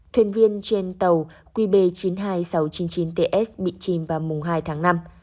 thuyền viên trên tàu qb chín mươi hai nghìn sáu trăm chín mươi chín ts bị chìm vào mùng hai tháng năm